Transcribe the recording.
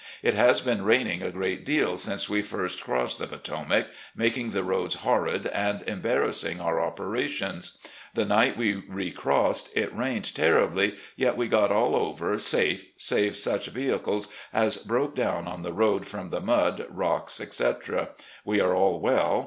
It has been raining a great deal since we first crossed the Potomac, making the roads horrid and embarrassing our operations. The night we recrossed it rained terribly, yet we got all over safe, save such vehicles as broke down on the road from the mud, rocks, etc. We are aU well.